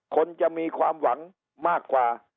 คนจะมีความหวังมากกว่า